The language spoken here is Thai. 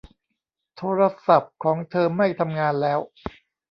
โทรศัพท์ของเธอไม่ทำงานแล้ว